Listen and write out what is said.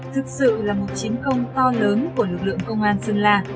thực sự là một chiến công to lớn của lực lượng công an sơn la